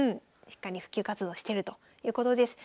しっかり普及活動してるということです。